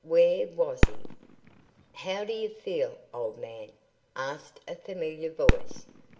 Where was he? "How do you feel, old man?" asked a familiar voice.